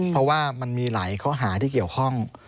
เพราะว่ามันมีหลายข้อหาที่เกี่ยวข้อง